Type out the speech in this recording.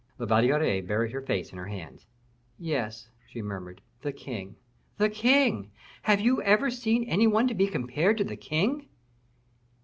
_" La Valliere buried her face in her hands. "Yes," she murmured; "the king! the king! Have you ever seen any one to be compared to the king?"